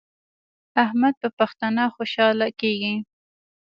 احمد په پښتنه خوشحاله کیږي.